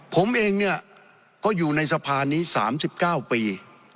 ผมเองเนี่ยก็อยู่ในสะพานนี้๓๙ปี